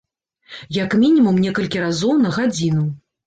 Як мінімум некалькі разоў на гадзіну.